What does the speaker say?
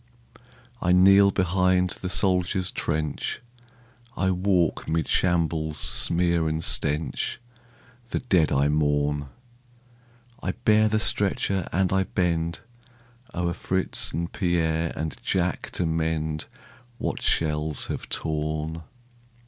I kneel behind the soldier's trench, I walk 'mid shambles' smear and stench, The dead I mourn; I bear the stretcher and I bend O'er Fritz and Pierre and Jack to mend What shells have torn.